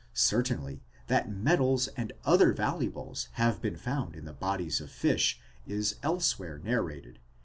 Certainly, that metals and other valuables have been found in the bodies of fish is else where narrated